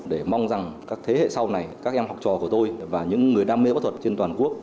để mong rằng các thế hệ sau này các em học trò của tôi và những người đam mê bác thuật trên toàn quốc